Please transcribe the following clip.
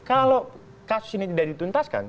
kalau kasus ini tidak dituntaskan